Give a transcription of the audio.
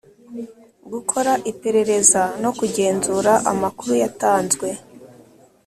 Gukora iperereza no kugenzura amakuru yatanzwe